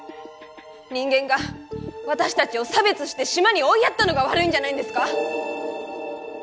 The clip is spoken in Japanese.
人間が私たちを差別して島に追いやったのが悪いんじゃないんですか。